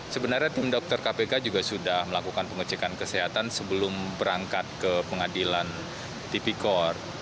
sebenarnya tim dokter kpk juga sudah melakukan pengecekan kesehatan sebelum berangkat ke pengadilan tipikor